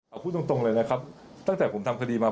เอาพูดตรงเลยนะครับตั้งแต่ผมทำคดีมา